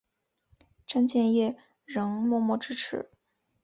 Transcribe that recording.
詹建业仍默默支持。